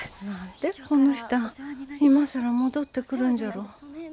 何でこの人あ今更戻ってくるんじゃろう。